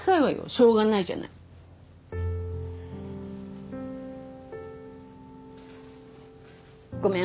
しょうがないじゃないごめん